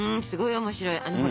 すごい面白い。